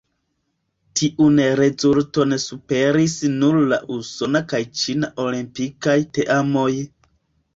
Tiun rezulton superis nur la usona kaj ĉina olimpikaj teamoj.